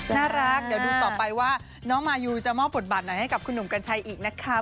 น่ารักเดี๋ยวดูต่อไปว่าน้องมายูจะมอบบทบาทไหนให้กับคุณหนุ่มกัญชัยอีกนะคะ